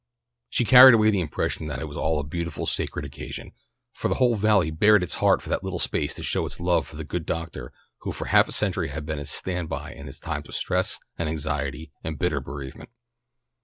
She carried away the impression that it was all a beautiful sacred occasion, for the whole Valley bared its heart for that little space to show its love for the good doctor who for half a century had been its standby in its times of stress and anxiety and bitter bereavement.